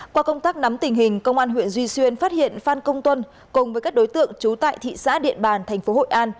qua công tác nắm tình hình công an huyện duy xuyên phát hiện phan công tuân cùng với các đối tượng trú tại thị xã điện bàn thành phố hội an